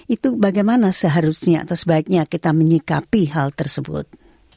itu bagaimana seharusnya atau sebaiknya kita menyikapi hal tersebut